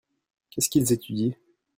Qu'est-ce qu'ils étudient ?